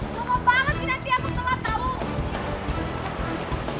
lama sekali nanti aku telat tahu